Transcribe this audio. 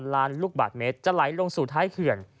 ล้านลูกบาทเมตรจะไหลลงสู่ท้ายเขื่อน